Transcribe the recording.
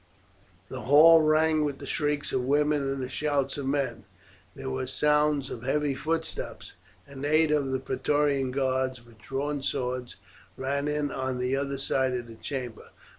The hall rang with the shrieks of women and the shouts of men. There was a sound of heavy footsteps, and eight of the Praetorian guards, with drawn swords, ran in on the other side of the chamber.